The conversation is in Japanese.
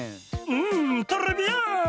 んトレビアーン！